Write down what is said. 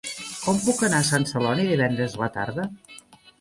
Com puc anar a Sant Celoni divendres a la tarda?